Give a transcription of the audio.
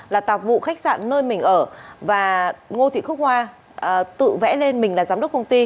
là tạp vụ khách sạn nơi mình ở và ngô thị khúc hoa tự vẽ lên mình là giám đốc công ty